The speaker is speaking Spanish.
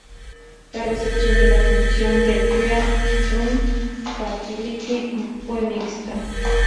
La recepción de la función de Krea-un-Fatality fue mixta.